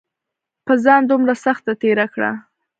پۀ ځان دومره سخته تېره کړې